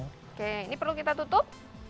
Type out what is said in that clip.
oke ini perlu kita tutup